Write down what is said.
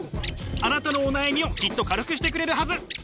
あなたのお悩みをきっと軽くしてくれるはず。